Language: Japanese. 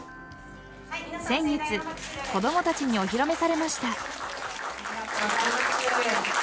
先月子供たちにお披露目されました。